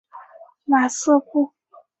马瑟布。